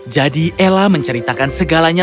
jadi ella menceritakan segala galanya